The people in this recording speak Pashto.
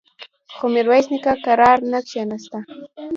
خو ميرويس نيکه کرار نه کېناسته.